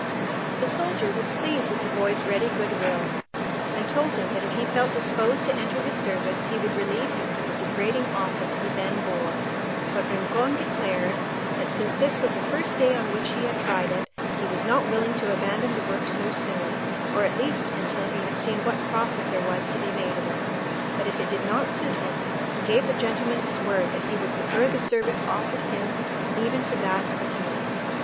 The soldier was pleased with the boy's ready good will, and told him that if he felt disposed to enter his service he would relieve him from the degrading office he then bore; but Rincon declared, that since this was the first day on which he had tried it, he was not willing to abandon the work so soon, or at least until he had seen what profit there was to be made of it; but if it did not suit him, he gave the gentleman his word that he would prefer the service offered him even to that of a Canon.